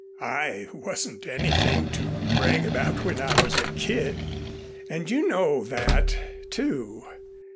I wasn't anything to brag about when I was a kid, and you know that, too.